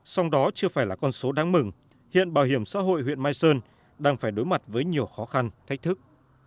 song đó chưa phải là con số đáng mừng hiện bảo hiểm xã hội huyện mai sơn đang phải đối mặt với nhiều khó khăn thách thức